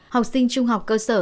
học sinh trung học cơ sở